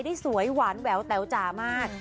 ด้วยสวยหวานแววแตวจ๋ามาก